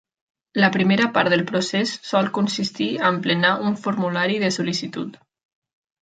La primera part del procés sol consistir a emplenar un formulari de sol·licitud.